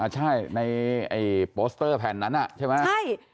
ใช่ในโปสเตอร์แผ่นนั้นใช่ไหม